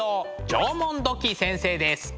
縄文土器先生です。